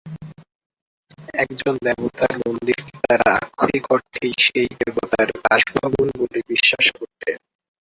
একজন দেবতার মন্দিরকে তারা আক্ষরিক অর্থেই সেই দেবতার বাসভবন বলে বিশ্বাস করতেন।